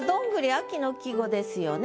秋の季語ですよね。